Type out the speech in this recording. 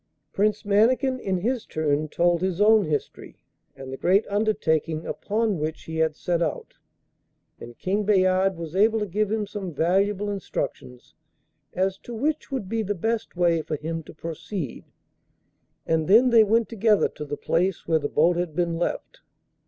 Prince Mannikin in his turn told his own history, and the great undertaking upon which he had set out, and King Bayard was able to give him some valuable instructions as to which would be the best way for him to proceed, and then they went together to the place where the boat had been left.